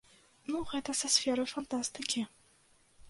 Ну, гэта са сферы фантастыкі.